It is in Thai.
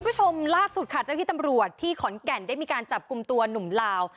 คุณผู้ชมล่าสุดค่ะเจ้าที่ตำรวจที่ขอนแก่นได้มีการจับกลุ่มตัวหนุ่มลาว